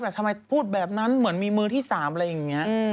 ว่ามีไม่ได้พูดแบบนั้นเหมือนมีมือที่๓อะไรแบบนี้